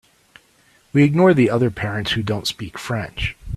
We ignore the other parents who don’t speak French.